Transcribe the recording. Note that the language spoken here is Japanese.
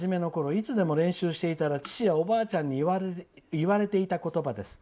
いつでも練習していたら父やおばあちゃんに言われていた言葉です。